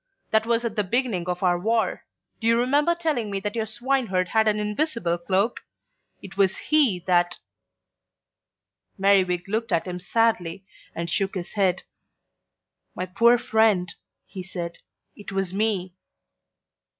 That was at the beginning of our war. Do you remember telling me that your swineherd had an invisible cloak? It was he that " Merriwig looked at him sadly and shook his head. "My poor friend," he said, "it was me."